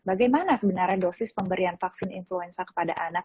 bagaimana sebenarnya dosis pemberian vaksin influenza kepada anak